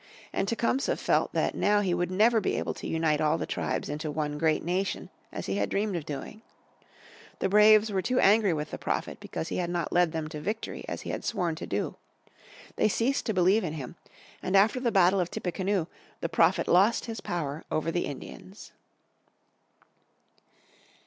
And Tecumseh felt that now he would never be able to unite all the tribes into one great nation as he had dreamed of doing. The braves too were angry with the Prophet because he had not led them to victory as he had sworn to do. They ceased to believe in him, and after the battle of Tippecanoe the Prophet lost his power over the Indians.